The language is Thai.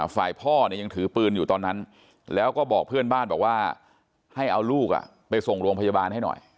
ฝ่ายพ่อเนี่ยยังถือปืนอยู่ตอนนั้นแล้วก็บอกเพื่อนบ้านบอกว่าให้เอาลูกไปส่งโรงพยาบาลให้หน่อย